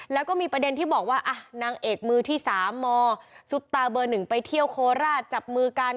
แล้วก็มีประเด็นที่บอกว่านางเอกมือที่๓มซุปตาเบอร์๑ไปเที่ยวโคราชจับมือกัน